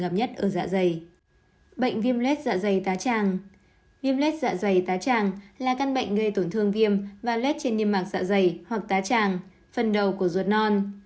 phần đầu của ruột non